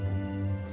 terima kasih kek